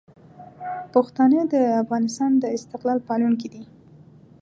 پښتانه د افغانستان د استقلال پالونکي دي.